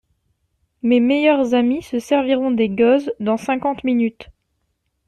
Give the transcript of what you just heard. Mes meilleurs amis se serviront des gueuses dans cinquante minutes.